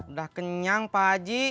udah kenyang pak wajib